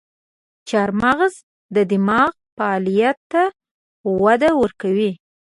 چارمغز د دماغ فعالیت ته وده ورکوي.